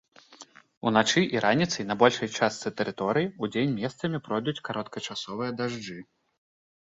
Уначы і раніцай на большай частцы тэрыторыі, удзень месцамі пройдуць кароткачасовыя дажджы.